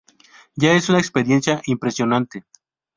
Ya es una experiencia impresionante.